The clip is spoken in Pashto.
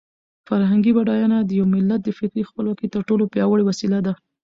فرهنګي بډاینه د یو ملت د فکري خپلواکۍ تر ټولو پیاوړې وسله ده.